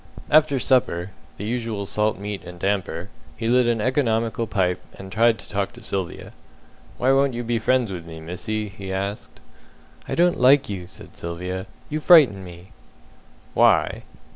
After supper the usual salt meat and damper he lit an economical pipe, and tried to talk to Sylvia. "Why won't you be friends with me, missy?" he asked. "I don't like you," said Sylvia. "You frighten me." "Why?"